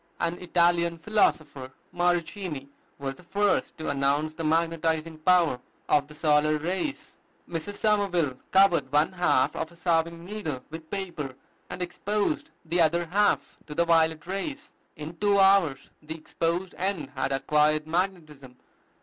An Italian philosopher, Morichini, was the first to announce the magnetizing power of the solar rays. Mrs. Somerville covered one half of a sewing needle with paper, and exposed the other half to the violet rays. In two hours the exposed end had acquired magnetism.